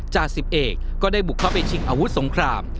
จ่าสิบเอกก็ได้บุกเข้าไปชิงอาวุธสงคราม